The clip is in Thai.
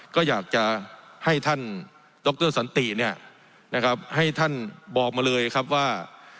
ก็อยากจะให้ท่านดรสันติเนี่ยนะครับให้ท่านบอกมาเลยครับว่า